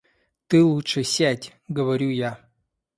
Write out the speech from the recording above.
Ты лучше сядь, — говорю я.